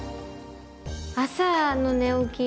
朝の寝起き